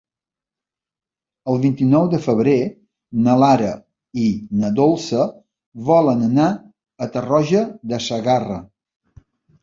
El vint-i-nou de febrer na Lara i na Dolça volen anar a Tarroja de Segarra.